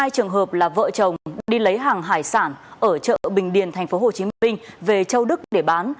hai trường hợp là vợ chồng đi lấy hàng hải sản ở chợ bình điền tp hcm về châu đức để bán